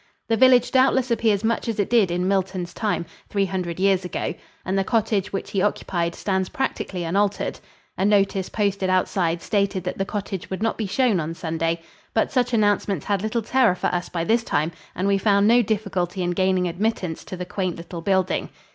The village doubtless appears much as it did in Milton's time, three hundred years ago, and the cottage which he occupied stands practically unaltered. A notice posted outside stated that the cottage would not be shown on Sunday. But such announcements had little terror for us by this time, and we found no difficulty in gaining admittance to the quaint little building.